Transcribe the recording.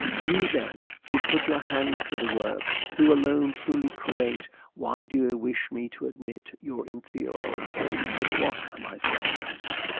You, then, who put your hands to the work, who alone truly create, why do you wish me to admit your inferiority? But, what am I saying?